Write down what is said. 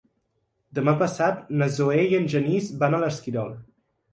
Demà passat na Zoè i en Genís van a l'Esquirol.